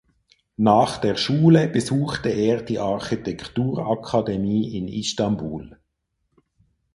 Nach der Schule besuchte er die Architektur Akademie in Istanbul.